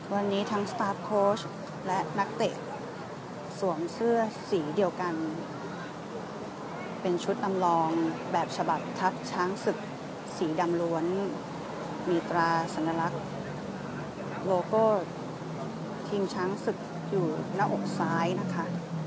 วันนี้ทั้งสตาร์ฟโค้ชและนักเตะสวมเสื้อสีเดียวกันเป็นชุดลำลองแบบฉบับทัพช้างศึกสีดำล้วนมีตราสัญลักษณ์โลโก้ทิ้งช้างศึกอยู่หน้าอกซ้ายนะคะ